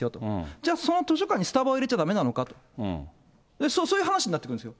じゃあ、その図書館にスタバを入れちゃだめなのかと、そういう話になってくるんですよ。